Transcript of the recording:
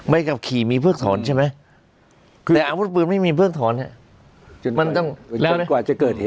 ใบขับขี่มีเพิกถอนใช่ไหมแต่อาวุธปืนไม่มีเพิกถอนมันต้องกว่าจะเกิด